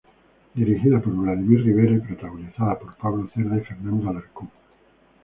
Dirigida por Vladimir Rivera, y protagonizada por Pablo Cerda y Fernando Alarcón.